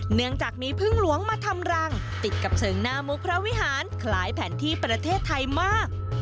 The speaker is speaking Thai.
เนื่องจากมีพึ่งหลวงมาทำรังติดกับเชิงหน้ามุกพระวิหารคล้ายแผนที่ประเทศไทยมาก